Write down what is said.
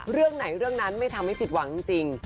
เรื่องไหนเรื่องนั้นไม่ทำให้ผิดหวังจริง